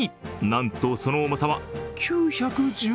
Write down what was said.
なんと、その重さは９１９ｇ。